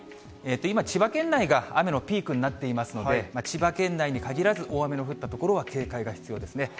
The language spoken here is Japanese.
今、千葉県内が雨のピークになっていますので、千葉県内に限らず、大雨の降った所は警戒が必要ですね。